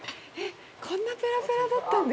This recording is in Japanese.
こんなペラペラだったんですね。